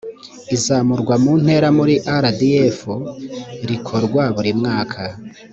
izamurwa mu ntera muri rdf rikorwa buri mwaka